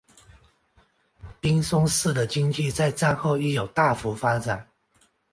滨松市的经济在战后亦有大幅发展。